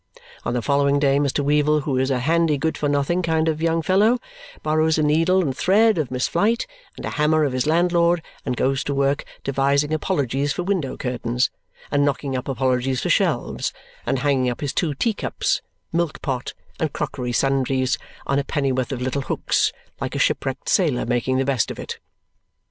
On the following day Mr. Weevle, who is a handy good for nothing kind of young fellow, borrows a needle and thread of Miss Flite and a hammer of his landlord and goes to work devising apologies for window curtains, and knocking up apologies for shelves, and hanging up his two teacups, milkpot, and crockery sundries on a pennyworth of little hooks, like a shipwrecked sailor making the best of it.